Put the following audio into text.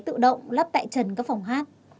tự động lắp tại trần các phòng hát